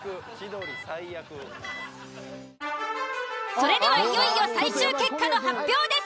それではいよいよ最終結果の発表です。